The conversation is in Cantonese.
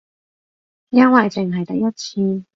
因為淨係得一次